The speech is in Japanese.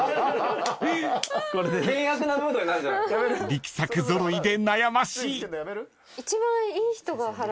［力作揃いで悩ましい］